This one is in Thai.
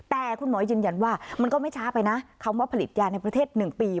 แต่คุณหมอยืนยันว่ามันก็ไม่ช้าไปนะคำว่าผลิตยาในประเทศ๑ปี